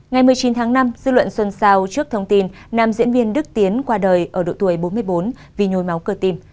ngày một mươi chín tháng năm dư luận xuân sao trước thông tin nam diễn viên đức tiến qua đời ở độ tuổi bốn mươi bốn vì nhồi máu cơ tim